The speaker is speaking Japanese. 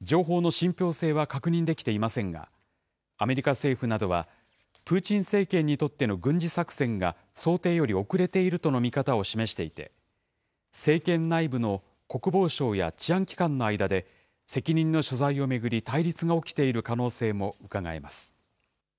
情報の信ぴょう性は確認できていませんが、アメリカ政府などは、プーチン政権にとっての軍事作戦が想定より遅れているとの見方を示していて、政権内部の国防省や治安機関の間で、責任の所在を巡り、対立が起きている可能性もうかがえます。